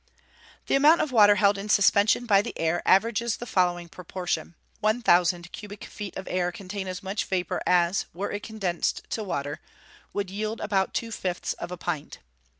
_ The amount of water held in suspension by the air averages the following proportion: one thousand cubic feet of air contain as much vapour as, were it condensed to water, would yield about two fifths of a pint.